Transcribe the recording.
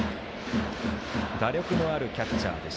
打力のあるキャッチャーです。